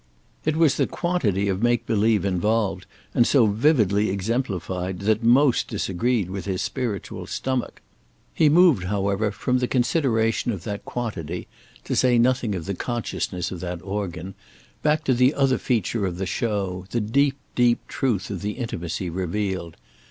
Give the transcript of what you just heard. It was the quantity of make believe involved and so vividly exemplified that most disagreed with his spiritual stomach. He moved, however, from the consideration of that quantity—to say nothing of the consciousness of that organ—back to the other feature of the show, the deep, deep truth of the intimacy revealed.